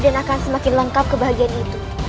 dan akan semakin lengkap kebahagiaan itu